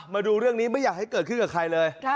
มาดูเรื่องนี้ไม่อยากให้เกิดขึ้นกับใครเลย